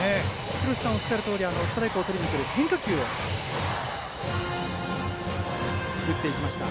廣瀬さんがおっしゃるとおりストライクをとりにくる変化球を打っていきました